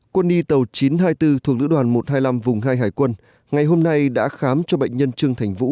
quân y tàu chín trăm hai mươi bốn thuộc lữ đoàn một trăm hai mươi năm vùng hai hải quân ngày hôm nay đã khám cho bệnh nhân trương thành vũ